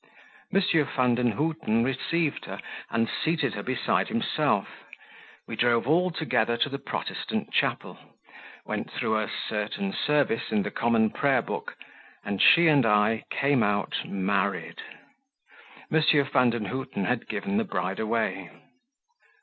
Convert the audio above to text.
M. Vandenhuten received her, and seated her beside himself; we drove all together to the Protestant chapel, went through a certain service in the Common Prayer Book, and she and I came out married. M. Vandenhuten had given the bride away.